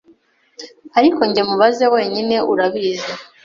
Ariko njye Mubaze wenyine Urabizi